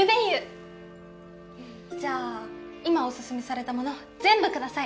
じゃあ今オススメされたもの全部ください